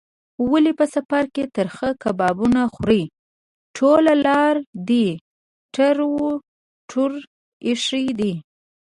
ولې په سفر کې ترخه کبابونه خورې؟ ټوله لار دې ټر ټور ایښی دی.